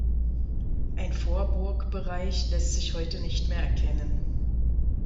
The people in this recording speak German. Ein Vorburgbereich lässt sich heute nicht mehr erkennen.